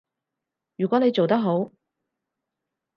如果你做得好